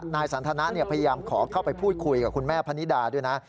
นายสันทนะพยายามขอเข้าไปพูดคุยกับคุณแม่พนิดาด้วยนะ